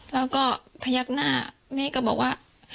แล้วก็พยักหน้าแม่ก็บอกว่า